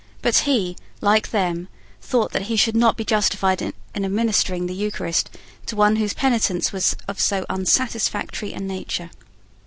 But he, like them, thought that he should not be justified in administering the Eucharist to one whose penitence was of so unsatisfactory a nature.